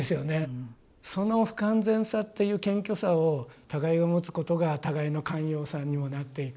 その不完全さっていう謙虚さを互いが持つことが互いの寛容さにもなっていく。